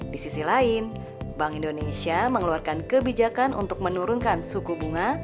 di sisi lain bank indonesia mengeluarkan kebijakan untuk menurunkan suku bunga